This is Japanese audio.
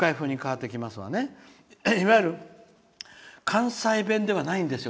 いわゆる関西弁ではないんですよ